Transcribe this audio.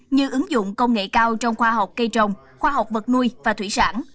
như ứng dụng công nghệ cao trong khoa học cây trồng khoa học vật nuôi và thủy sản